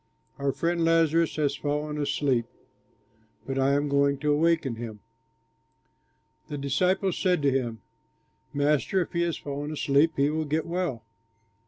Our friend Lazarus has fallen asleep, but I am going to waken him." The disciples said to him, "Master, if he has fallen asleep he will get well."